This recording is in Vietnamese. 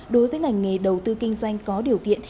đối với ngành nghề đầu tư kinh doanh có điều kiện